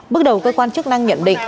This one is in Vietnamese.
bước đầu cơ quan chức năng nhận định